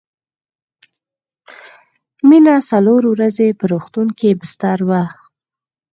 مينه څلور ورځې په روغتون کې بستر وه